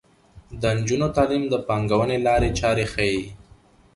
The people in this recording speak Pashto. د نجونو تعلیم د پانګونې لارې چارې ښيي.